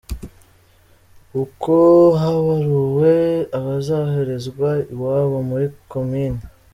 Uko habaruwe abazoherezwa iwabo muri Komini